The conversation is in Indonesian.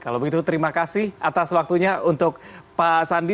kalau begitu terima kasih atas waktunya untuk pak sandi